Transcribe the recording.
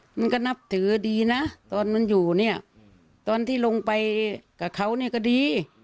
มันก็นับถือดีนะตอนมันอยู่เนี่ยตอนที่ลงไปกับเขาเนี่ยก็ดี